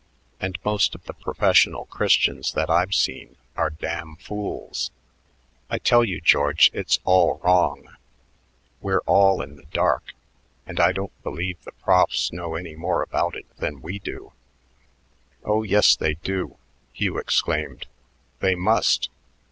And most of the professional Christians that I've seen are damn fools. I tell you, George, it's all wrong. We're all in the dark, and I don't believe the profs know any more about it than we do." "Oh, yes, they do," Hugh exclaimed; "they must.